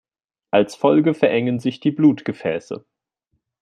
Als Folge verengen sich die Blutgefäße.